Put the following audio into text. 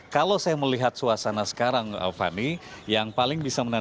kalau saya melihat suasana sekarang fani yang paling bisa menarik